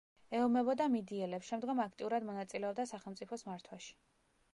ეომებოდა მიდიელებს, შემდგომ აქტიურად მონაწილეობდა სახელმწიფოს მართვაში.